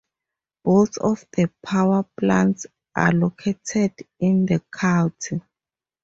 Both of the power plants are located in the county.